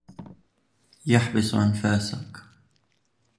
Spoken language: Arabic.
يحبس أنفاسك.